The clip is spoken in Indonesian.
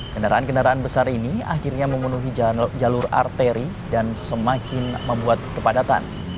kendaraan kendaraan besar ini akhirnya memenuhi jalur arteri dan semakin membuat kepadatan